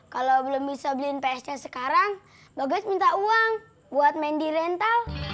kalau belum bisa beliin ps nya sekarang bagas minta uang buat mandi rental